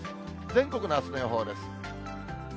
全国のあすの予報です。